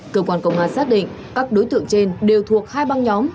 cơ quan công an xác định các đối tượng trên đều thuộc hai băng nhóm